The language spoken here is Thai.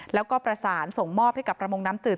แล้วก็ประสานส่งมอบให้กับประมงน้ำจืด